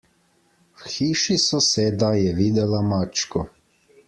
V hiši soseda je videla mačko.